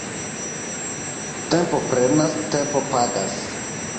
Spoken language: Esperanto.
Tempo prenas, tempo pagas.